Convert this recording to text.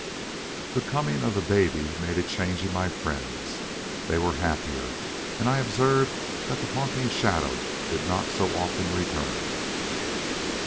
The coming of the baby made a change in my friends. They were happier, and I observed that the haunting shadow did not so often return.